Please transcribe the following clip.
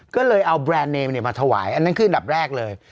ก็เลยเอาแบรนด์เนมมาถวายอันนั้นคืออันดับแรกเลย